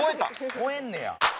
超えんねや。